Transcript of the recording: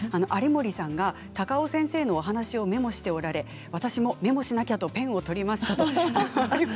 有森さんが高尾先生のお話をメモしておられ私もメモしなきゃとペンを取りました。